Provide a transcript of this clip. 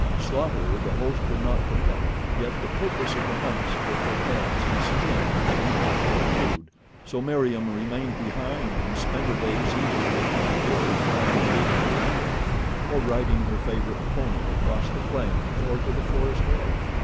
Slaughter the host would not permit; yet the purpose of the hunts were for heads and skins and not for food. So Meriem remained behind and spent her days either with My Dear upon the shaded verandah, or riding her favorite pony across the plains or to the forest edge.